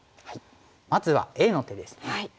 まずはＡの手ですね。